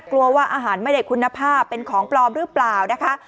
กลัวว่าอาหารไม่ได้คุณภาพเป็นของปลอมหรือเปล่านะคะ